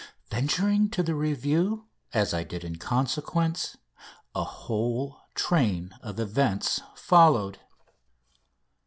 Venturing to the review, as I did in consequence, a whole train of events followed.